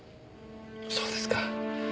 そうですか。